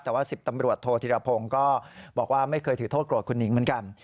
แต่ว่า๑๐ตำรวจโทษธิรพงศ์ก็บอกว่าไม่เคยถือโทษโกรธคุณหนิงเหมือนกัน